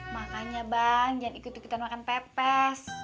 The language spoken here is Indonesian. makannya bang jangan ikut ikutan makan pepes